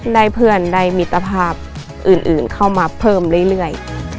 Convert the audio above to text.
เพื่อนได้มิตรภาพอื่นเข้ามาเพิ่มเรื่อย